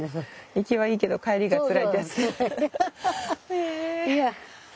行きはいいけど帰りがつらいってやつですね。